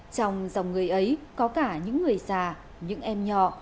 trong dòng người ấy có cả những người già những em nhỏ